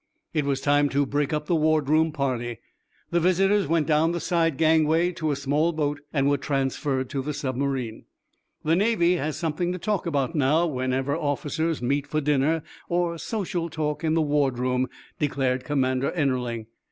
It was time to break up the ward room party. The visitors went down the side gangway to a small boat, and were transferred to the submarine. "The Navy has something to talk about, now, wherever officers meet for dinner, or social talk in the ward room," declared Commander Ennerling.